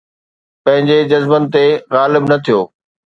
پنهنجي جذبن تي غالب نه ٿيو